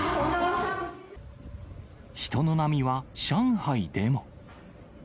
人の波は上海でも。